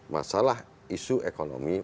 masalah isu ekonomi